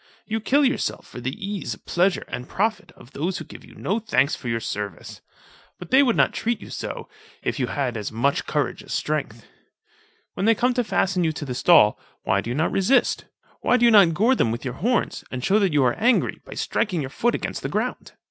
You kill yourself for the ease, pleasure, and profit of those who give you no thanks for your service. But they would not treat you so, if you had as much courage as strength. When they come to fasten you to the stall, why do you not resist? why do you not gore them with your horns, and shew that you arc angry, by striking your foot against the ground?